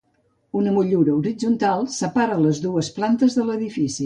Una motllura horitzontal separa les dues plantes de l'edifici.